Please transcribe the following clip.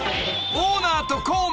［オーナーと孔明］